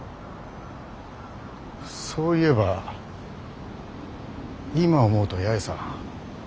そういえば今思うと八重さん